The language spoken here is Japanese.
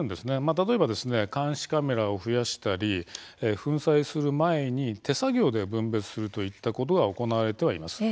例えば監視カメラを増やしたり粉砕する前に手作業で分別するといったことも行われております。